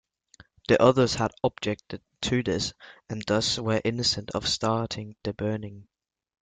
The others had objected to this, and thus were innocent of starting the burning.